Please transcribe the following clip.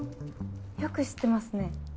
よく知ってますね。